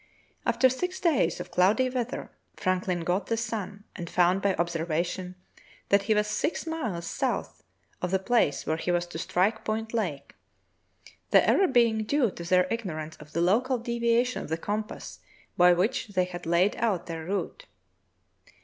After six days of cloudy weather, Franklin got the sun and found by observation that he was six miles south of the place where he was to strike Point Lake, the error being due to their ignorance of the local de viation of the compass by which they had laid out their route.